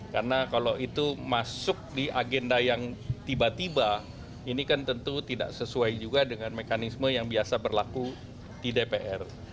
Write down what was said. karena kalau itu masuk di agenda yang tiba tiba ini kan tentu tidak sesuai juga dengan mekanisme yang biasa berlaku di dpr